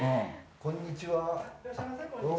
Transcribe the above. こんにちは。